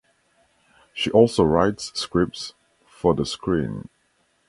She also writes scripts for the screen.